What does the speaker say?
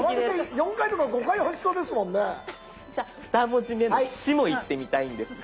じゃあ２文字目の「し」もいってみたいんですが。